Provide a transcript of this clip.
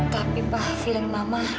tapi pak film mama